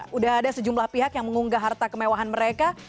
sudah ada sejumlah pihak yang mengunggah harta kemewahan mereka